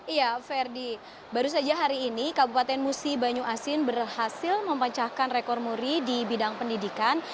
iya verdi baru saja hari ini kabupaten musi banyu asin berhasil mempecahkan rekor muri di bidang pendidikan